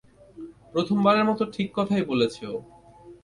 প্রথমবারের মতো ঠিক কথাই বলেছে ও।